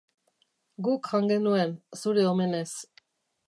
Guk jan genuen, zure omenez.